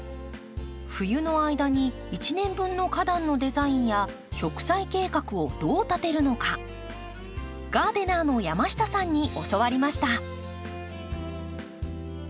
冬の間に一年分の花壇のデザインや植栽計画をどう立てるのかガーデナーの山下さんに教わりました。